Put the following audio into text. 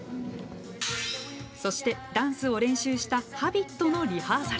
そしてダンスを練習した「Ｈａｂｉｔ」のリハーサル。